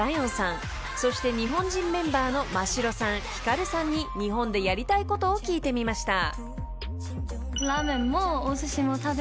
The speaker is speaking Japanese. ［そして日本人メンバーのマシロさんヒカルさんに日本でやりたいことを聞いてみました］